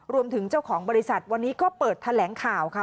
รวมถึงเจ้าของบริษัทวันนี้ก็เปิดแถลงข่าวค่ะ